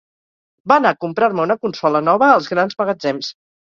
Va anar a comprar-me una consola nova als grans magatzems.